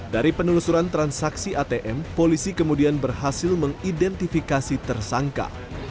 dari penelusuran transaksi atm polisi kemudian berhasil mengidentifikasi tersangka